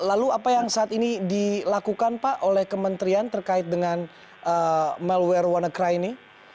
lalu apa yang saat ini dilakukan pak oleh kementerian terkait dengan malware wannacry ini